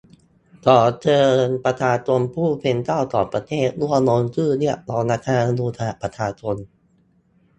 ขอเชิญประชาชนผู้เป็นเจ้าของประเทศร่วมลงชื่อเรียกร้อง รัฐธรรมนูญฉบับประชาชน